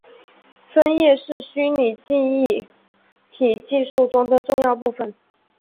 分页是虚拟记忆体技术中的重要部份。